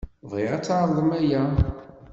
Bɣiɣ ad tɛeṛḍem aya.